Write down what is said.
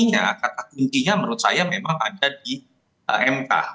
artinya kata kuncinya menurut saya memang ada di mk